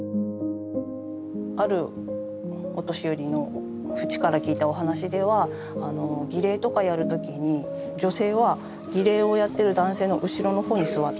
あるお年寄りのフチから聞いたお話では儀礼とかやる時に女性は儀礼をやってる男性の後ろの方に座ったりするんですよね。